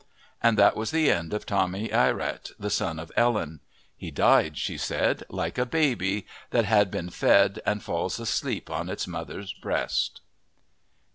And that was the end of Tommy Ierat, the son of Ellen. He died, she said, like a baby that has been fed and falls asleep on its mother's breast.